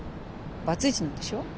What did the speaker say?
バツイチなんでしょ？